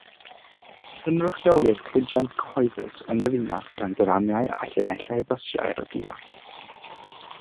Cynrychiolir cludiant cyhoeddus yn y ddinas gan dramiau a llinellau bysiau'r ddinas.